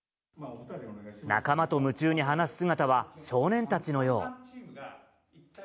仲間と夢中に話す姿は、少年たちのよう。